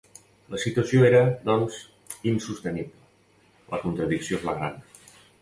La situació era, doncs, insostenible, la contradicció flagrant.